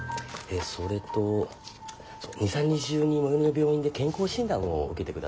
それと２３日中に最寄りの病院で健康診断を受けてください。